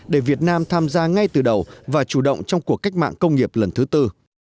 để việt nam tham gia ngay từ đầu và chủ động trong cuộc cách mạng công nghiệp lần thứ tư